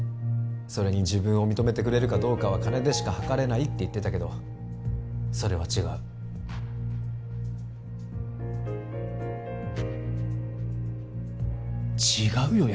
それに自分を認めてくれるかどうかは金でしかはかれないって言ってたけどそれは違う違うよ